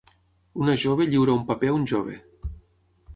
Una jove lliura un paper a un jove.